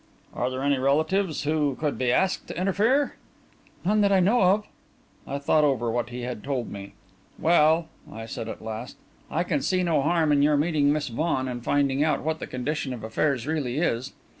"Are there any relatives who could be asked to interfere?" "None that I know of." I thought over what he had told me. "Well," I said at last, "I can see no harm in your meeting Miss Vaughan and finding out what the condition of affairs really is.